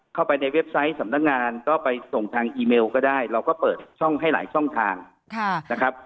เข้าไปในเว็บไซต์สำนักงานก็ไปส่งทางอีเมลก็ได้เราก็เปิดช่องให้หลายช่องทางนะครับ